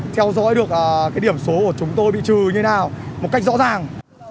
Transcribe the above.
theo dõi được cái điểm số của chúng tôi bị trừ như thế nào một cách rõ ràng